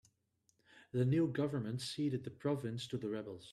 The new government ceded the province to the rebels.